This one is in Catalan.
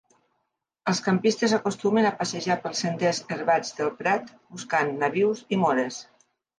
Els campistes acostumen a passejar pels senders herbats del prat, buscant nabius i mores.